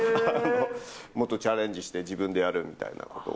もっとチャレンジして自分でやるみたいなことを。